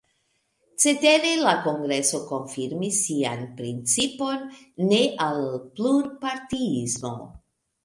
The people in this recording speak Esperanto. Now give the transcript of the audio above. Cetere la kongreso konfirmis sian principon: ne al plurpartiismo.